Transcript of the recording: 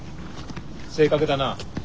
正確だな。